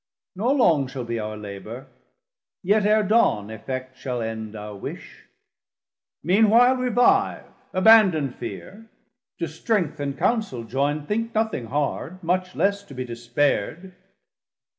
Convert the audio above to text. Nor long shall be our labour, yet ere dawne, Effect shall end our wish. Mean while revive; Abandon fear; to strength and counsel joind Think nothing hard, much less to be despaird.